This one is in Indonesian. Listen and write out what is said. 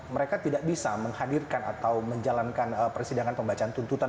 mereka tidak bisa menghadirkan atau menjalankan persidangan pembacaan tuntutan